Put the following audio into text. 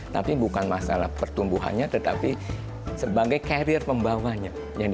tapi bukan masalah pertumbuhannya tetapi sebagai carrier pembawanya